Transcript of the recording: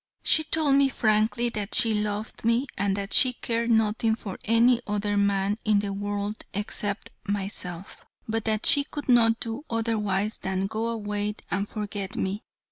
She told me frankly that she loved me and that she cared nothing for any other man in the world except myself, but that she could not do otherwise than go away and forget me.